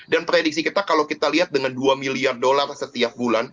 dan prediksi kita kalau kita lihat dengan dua miliar dollar setiap bulan